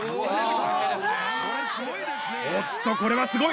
おっとこれはすごい！